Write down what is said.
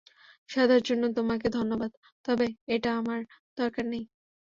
সাধার জন্য তোমাকে ধন্যবাদ তবে এটা আমার দরকার নেই।